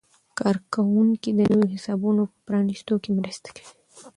کارکوونکي د نویو حسابونو په پرانیستلو کې مرسته کوي.